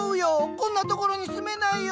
こんなところに住めないよ！